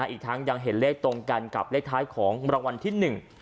อีกทั้งยังเห็นเลขตรงกันกับเลขท้ายของรางวัลที่หนึ่ง